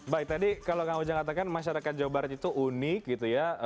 baik tadi kalau kang ujang katakan masyarakat jawa barat itu unik gitu ya